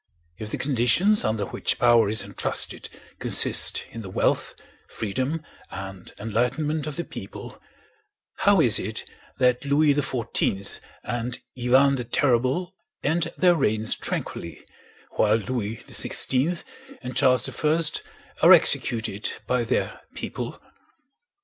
If the conditions under which power is entrusted consist in the wealth, freedom, and enlightenment of the people, how is it that Louis XIV and Iván the Terrible end their reigns tranquilly, while Louis XVI and Charles I are executed by their people?